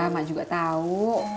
mak juga tau